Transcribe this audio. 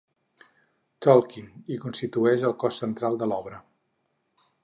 Tolkien, i constitueix el cos central de l'obra.